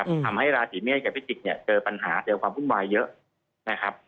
อืมทำให้ราศีเมฆและพิษิกษ์เจอปัญหาเจอความพุ่งวายเยอะ